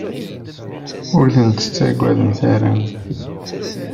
Ur tent-tettagademt ara.